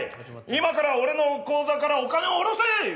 今から俺の口座からお金を下ろせ！